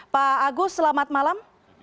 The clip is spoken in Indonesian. pak agus selamat malam